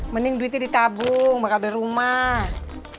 mending duitnya ditabung bakal beli rumah